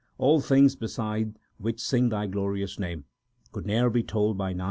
All things beside which sing Thy glorious name, Could ne er be told by Nanak s lowly song.